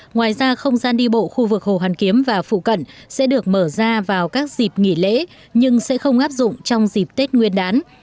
ngoài ra không gian đi bộ khu vực hồ hoàn kiếm và phụ cận sẽ được mở ra vào các dịp nghỉ lễ nhưng sẽ không áp dụng trong dịp tết nguyên đán